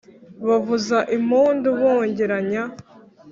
Bavuza impundu bongeranya